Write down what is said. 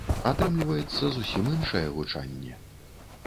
Атрымліваецца зусім іншае гучанне.